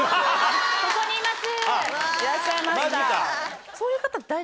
ここにいます。